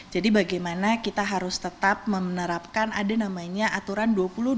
jadi bagaimana kita harus tetap memenerapkan ada namanya aturan dua puluh dua puluh dua puluh